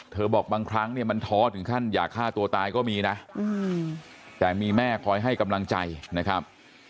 บอกบางครั้งเนี่ยมันท้อถึงขั้นอยากฆ่าตัวตายก็มีนะแต่มีแม่คอยให้กำลังใจนะครับ